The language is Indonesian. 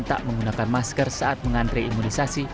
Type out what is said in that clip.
tak menggunakan masker saat mengantri imunisasi